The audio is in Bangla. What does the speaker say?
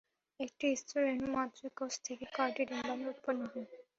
একটি স্ত্রী-রেণু মাতৃকোষ থেকে কয়টি ডিম্বাণু উৎপন্ন হয়?